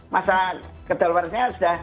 masa kedaluarsanya sudah